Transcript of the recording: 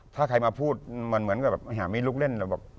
ถ้าใครมาพูดเหมือนกับอย่ามีลุกเล่น